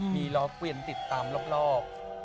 มีล้อเกวียนติดตามรอบ